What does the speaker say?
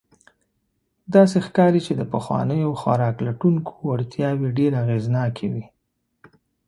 داسې ښکاري، چې د پخوانیو خوراک لټونکو وړتیاوې ډېر اغېزناکې وې.